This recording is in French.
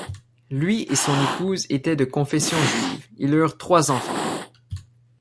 Lui et son épouse étaient de confession juive, ils eurent trois enfants.